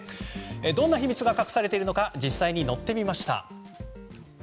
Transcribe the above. どんな秘密が隠されているのか実際に乗ってみました。